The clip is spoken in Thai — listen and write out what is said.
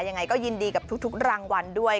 ยังไงก็ยินดีกับทุกรางวัลด้วย